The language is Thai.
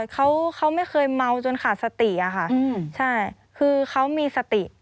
เขาเขาไม่เคยเมาจนขาดสติอะค่ะใช่คือเขามีสติ